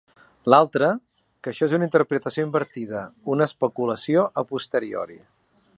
L'altre, que això és una interpretació invertida, una especulació a posteriori.